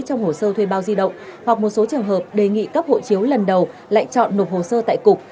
trong hồ sơ thuê bao di động hoặc một số trường hợp đề nghị cấp hộ chiếu lần đầu lại chọn nộp hồ sơ tại cục